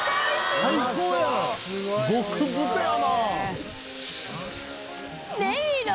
最高やん！